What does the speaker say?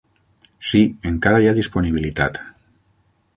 Sí, encara hi ha disponibilitat.